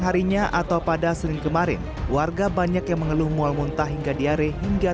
harinya atau pada senin kemarin warga banyak yang mengeluh mual muntah hingga diare hingga